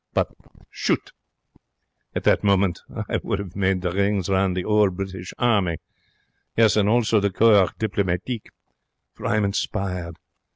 But, Chut! At that moment I would have made the rings round the 'ole British Army. Yes, and also the Corps Diplomatique. For I am inspired.